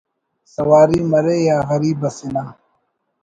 سواری مرے یا غریب اسے نا